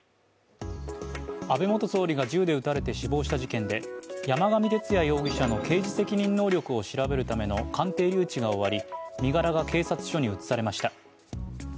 安倍元総理が銃で撃たれて死亡した事件で山上徹也容疑者の刑事責任能力を調べるための鑑定留置が終わり、身柄が警察署に移されました。